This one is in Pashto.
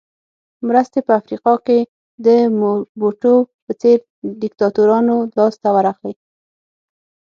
مرستې په افریقا کې د موبوټو په څېر دیکتاتورانو لاس ته ورغلې.